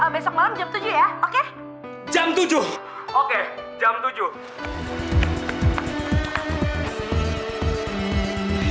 besok malam jam tujuh ya oke